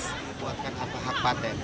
membuatkan hak hak patent